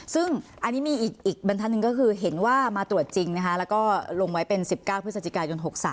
ซึ่งอันนี้มีอีกบรรทัศนหนึ่งก็คือเห็นว่ามาตรวจจริงนะคะแล้วก็ลงไว้เป็น๑๙พฤศจิกายน๖๓